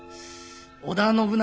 織田信長